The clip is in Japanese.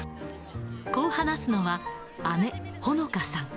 こう話すのは、姉、ほのかさん。